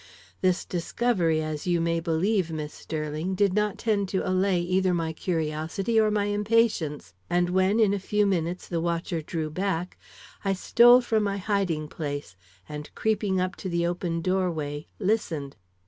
This discovery, as you may believe, Miss Sterling, did not tend to allay either my curiosity or my impatience, and when in a few minutes the watcher drew back, I stole from my hiding place, and creeping up to the open doorway, listened.